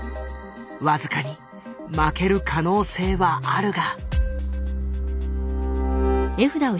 僅かに負ける可能性はあるが。